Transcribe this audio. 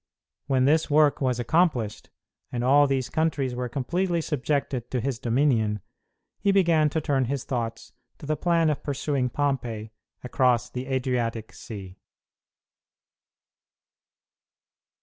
When this work was accomplished, and all these countries were completely subjected to his dominion, he began to turn his thoughts to the plan of pursuing Pompey across the Adriatic Sea.